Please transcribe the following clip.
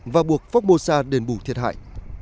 và buộc phocmosa đền bù thiệt hại